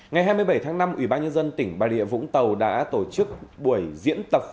ngày hai mươi bảy tháng năm ủy ban nhân dân tỉnh bà lịa vũng tàu đã tổ chức buổi diễn tập